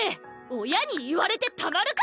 親に言われてたまるか！